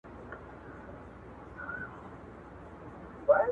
دا خیالونه خوند نه کوي